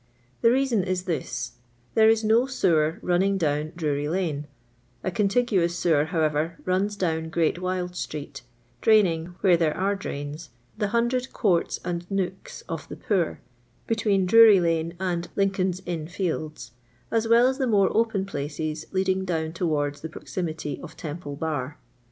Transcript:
The reason is this :— There is no sewer running down Drury lane; a contiguous sewer, however, runs down Great Wyld street, draining, where there are drains, the hundred courts and nooks of the poor, between Drury lane and Lincoln's inn fields, as well as the more open places leading down towards the prox imity of Temple Bar.